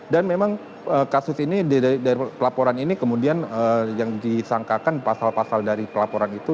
dan memang kasus ini dari pelaporan ini kemudian yang disangkakan pasal pasal dari pelaporan itu